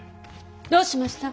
どうしました。